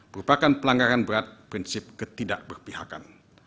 merupakan pelanggaran berat prinsip ketidakberpihakan